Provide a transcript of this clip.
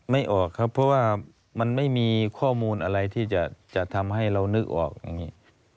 ไม่ออกครับเพราะว่ามันไม่มีข้อมูลอะไรที่จะทำให้เรานึกออกอย่างนี้